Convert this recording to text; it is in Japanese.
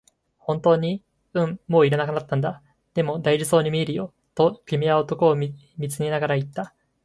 「本当に？」、「うん、もう要らなくなったんだ」、「でも、大事そうに見えるよ」と君は男を見つめながら言った。